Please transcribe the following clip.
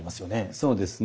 そうですね。